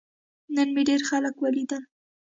نن مې ډیر خلک ولیدل.